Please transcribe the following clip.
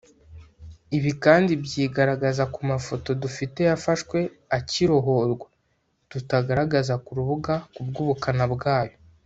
Ibi kandi byigaragaza ku mafoto dufite yafashwe akirohorwa (tutagaragaza ku rubuga kubw’ubukana bwayo)